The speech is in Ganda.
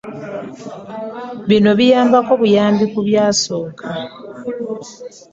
Bino biyambako buyambi ku byasooka.